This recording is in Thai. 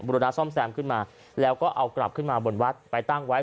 รณาซ่อมแซมขึ้นมาแล้วก็เอากลับขึ้นมาบนวัดไปตั้งไว้